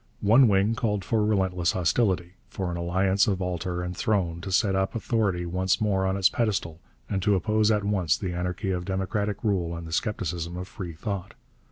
One wing called for relentless hostility, for an alliance of altar and throne to set up authority once more on its pedestal and to oppose at once the anarchy of democratic rule and the scepticism of free thought.